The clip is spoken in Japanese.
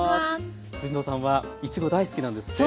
藤野さんはいちご大好きなんですって？